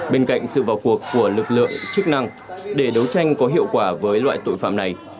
bên cạnh sự vào cuộc của lực lượng chức năng để đấu tranh có hiệu quả với loại tội phạm này